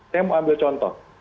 saya mau ambil contoh